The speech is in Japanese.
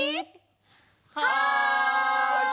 はい！